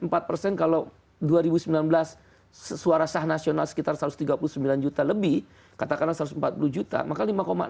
empat persen kalau dua ribu sembilan belas suara sah nasional sekitar satu ratus tiga puluh sembilan juta lebih katakanlah satu ratus empat puluh juta maka lima enam